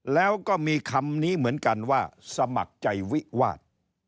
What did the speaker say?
แล้วก็มีคำนี้เหมือนกันว่าสมัครใจวิวาส